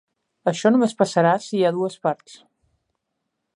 Això només passarà si hi ha dues parts.